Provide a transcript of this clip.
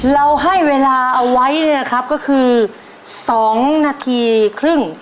เราให้เวลาเอาไว้เนี่ยนะครับก็คือ๒นาทีครึ่ง